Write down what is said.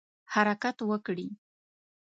حرکت وکړي.